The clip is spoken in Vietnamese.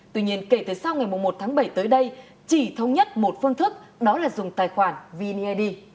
tuy nhiên kể từ sau ngày một tháng bảy tới đây chỉ thông nhất một phương thức đó là dùng tài khoản vned